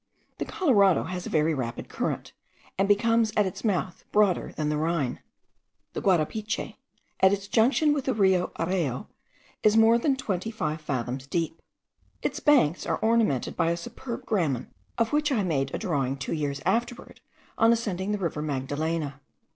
The Colorado has a very rapid current, and becomes at its mouth broader than the Rhine. The Guarapiche, at its junction with the Rio Areo, is more than twenty five fathoms deep. Its banks are ornamented by a superb gramen, of which I made a drawing two years afterward on ascending the river Magdalena.